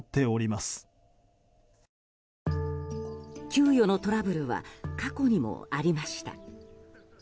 給与のトラブルは過去にもありました。